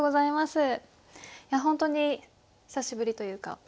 いやほんとに久しぶりというか。